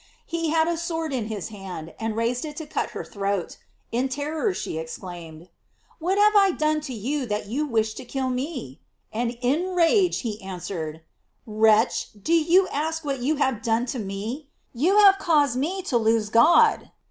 He had a sword in his hand, and raised it to cut her throat. In terror she exclaimed: "What have I done to you, that you wish to kill me?" And in a rage he answered: "Wretch, do you ask what you have done to me? You have caused me to lose God."